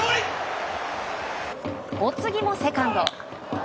お次もセカンド。